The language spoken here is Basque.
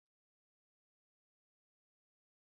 Arazo larria ez den arren, oso ohikoa da.